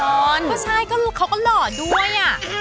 ก็ใช่เขาก็หล่อด้วย